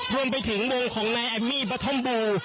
รวมไปถึงวงของนายแอมมี่บะทอมบู